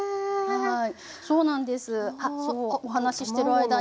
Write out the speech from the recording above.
はい。